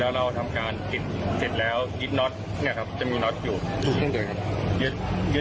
แล้วเราทำการติดเสร็จแล้วยึดน็อตจะมีน็อตอยู่